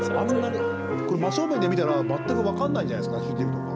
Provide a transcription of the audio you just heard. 真正面で見たら全く分かんないんじゃないんですか弾いてるとか。